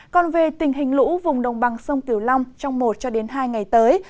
còn về tình hình lũ vùng đồng bằng sông kiểu long trong một hai ngày tới